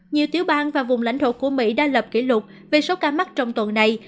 nhiều tiểu bang và vùng lãnh thổ của mỹ đã lập kỷ lục về số ca mắc trong tuần này